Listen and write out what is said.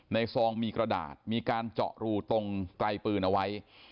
ซองมีกระดาษมีการเจาะรูตรงไกลปืนเอาไว้